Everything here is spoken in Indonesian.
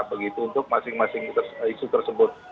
begitu untuk masing masing isu tersebut